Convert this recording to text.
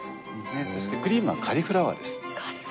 そしてクリームはカリフラワーです。